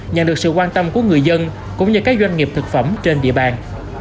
nhận được sự quan tâm của người dân cũng như các doanh nghiệp thực phẩm trên địa bàn